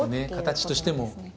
形としても。